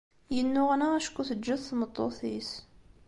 Yennuɣna acku teǧǧa-t tmeṭṭut-is.